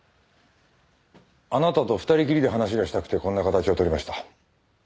あなたと２人きりで話がしたくてこんな形を取りました。